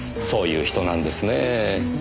そういう人なんですねえ。